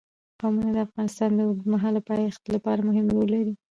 قومونه د افغانستان د اوږدمهاله پایښت لپاره مهم رول لري.